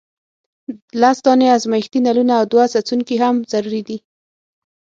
لس دانې ازمیښتي نلونه او دوه څڅونکي هم ضروري دي.